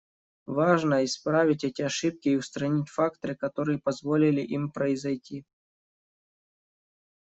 Важно исправить эти ошибки и устранить факторы, которые позволили им произойти.